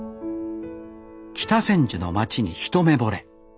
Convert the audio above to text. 北千住の街に一目ぼれ。